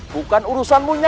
bukan urusanmu nyai